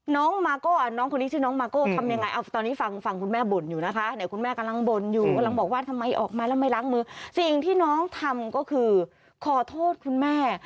น้องมักโกะหลังว่าทำไมออกมาแล้วไม่ล้างมือสิ่งที่น้องทำก็คือขอโทษคุณแม่